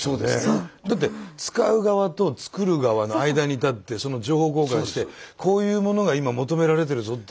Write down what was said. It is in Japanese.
だって使う側と作る側の間に立ってその情報交換してこういう物が今求められてるぞっていう。